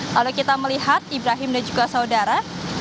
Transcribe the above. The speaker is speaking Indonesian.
lalu kita melihat ibrahim dan juga saudara